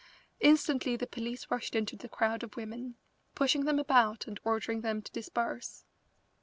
Instantly the police rushed into the crowd of women, pushing them about and ordering them to disperse.